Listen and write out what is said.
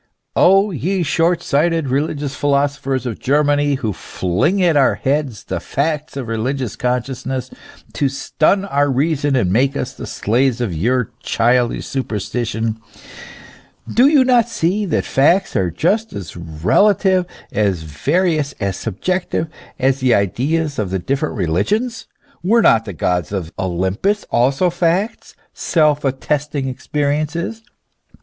O ye short sighted religious philosophers of Germany, who fling at our heads the facts of the religious consciousness, to stun our reason and make us the slaves of your childish superstition, do you not see that facts are just as relative, as various, as subjective, as the ideas of the different religions ? Were not the Gods of Olympus also facts, self attesting existences